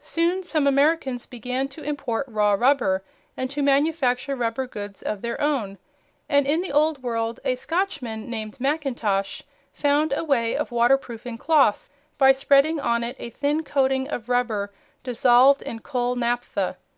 Soon some Americans began to import raw rubber and to manufacture rubber goods of their own, and in the old world a Scotchman named Macintosh found a way of waterproofing cloth by spreading on it a thin coating of rubber dissolved in coal naphtha.